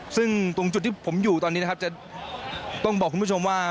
ซึ่งตรงจุดที่ผมอยู่ตอนนี้นะครับจะต้องบอกคุณผู้ชมว่า